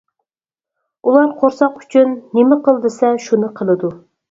ئۇلار قورساق ئۈچۈن نېمە قىل دېسە شۇنى قىلىدۇ.